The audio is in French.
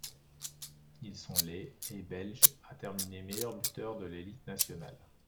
Ils sont les et belges à terminer meilleurs buteurs de l'élite nationale.